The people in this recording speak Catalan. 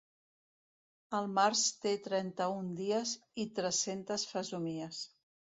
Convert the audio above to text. El març té trenta-un dies i tres-centes fesomies.